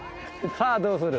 さあどうする？